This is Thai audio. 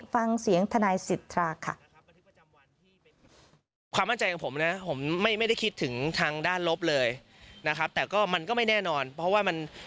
ฟังเสียงทนายสิทธาค่ะ